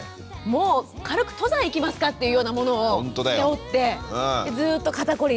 もう軽く登山行きますかっていうようなものを背負ってでずっと肩こりで。